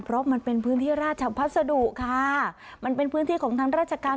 เพราะมันเป็นพื้นที่ราชพัสดุค่ะมันเป็นพื้นที่ของทางราชการ